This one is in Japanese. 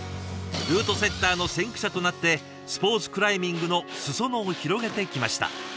ルートセッターの先駆者となってスポーツクライミングの裾野を広げてきました。